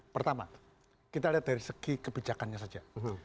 pertama kita lihat dari segi kebijakannya saja